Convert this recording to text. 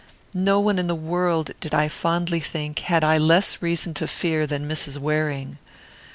"No one in the world, did I fondly think, had I less reason to fear than Mrs. Waring.